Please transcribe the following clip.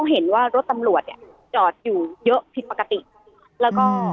เห็นว่ารถตำรวจเนี่ยจอดอยู่เยอะผิดปกติแล้วก็